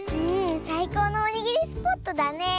さいこうのおにぎりスポットだねえ。